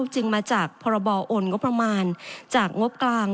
จึงมาจากพรบโอนงบประมาณจากงบกลาง